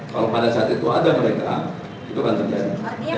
kalau pada saat itu ada mereka itu akan terjadi